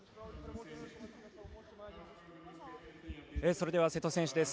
それでは瀬戸選手です。